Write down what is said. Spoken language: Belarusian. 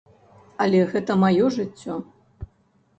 Але гэта маё жыццё.